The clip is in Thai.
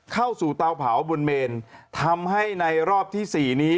เข้าสู่เตาเผาบนเมนทำให้ในรอบที่สี่นี้